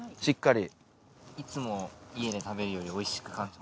いつも家で食べるよりおいしく感じます。